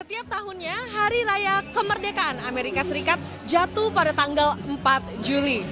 setiap tahunnya hari raya kemerdekaan amerika serikat jatuh pada tanggal empat juli